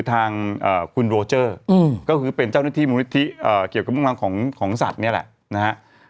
ทางคุณโรเจอร์ก็คือเป็นเจ้าหน้าที่มูลนิธิเกี่ยวกับมุ่งหวังของสัตว์นี่แหละนะฮะ